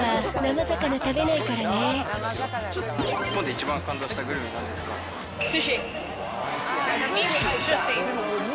日本で一番感動したグルメはすし！